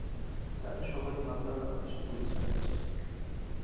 তারা সবাই মাতাল আকাশে গুলি চালাচ্ছে।